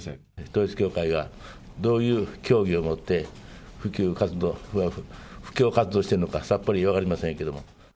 統一教会がどういう教義を持って布教活動してるのか、さっぱり分かりませんけども。